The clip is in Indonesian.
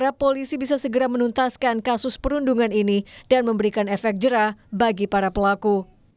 sehingga polisi bisa segera menuntaskan kasus perundungan ini dan memberikan efek jerah bagi para pelaku